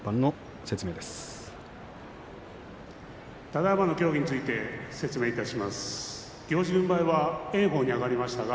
ただいまの協議について説明します。